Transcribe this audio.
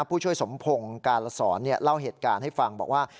ผู้ช่วยสมพงศ์กาลสอนเล่าเหตุการณ์ให้ฟังบอกว่า